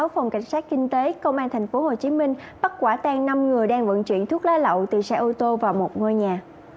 phòng cảnh sát kinh tế công an tp hcm bắt quả tan năm người đang vận chuyển thuốc lá lậu từ xe ô tô vào một ngôi nhà